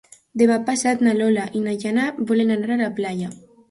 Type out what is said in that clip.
Demà passat na Lola i na Jana volen anar a la platja.